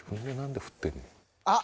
あっ。